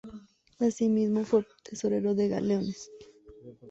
Así mismo, fue tesorero de galeones.